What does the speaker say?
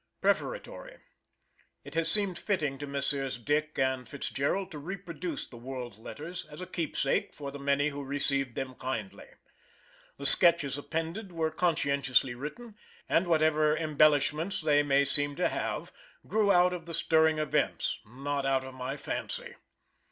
PREFATORY. It has seemed fitting to Messrs. DICK & FITZGERALD to reproduce the World letters, as a keepsake for the many who received them kindly. The Sketches appended were conscientiously written, and whatever embellishments they may seem to have grew out of the stirring events, not out of my fancy.